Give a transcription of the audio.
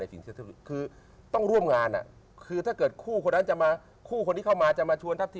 คู่เค้ารอมาแล้วลองหลอกล้วงไม่ใช่